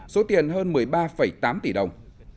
số tiền hơn một mươi ba tám tỷ đồng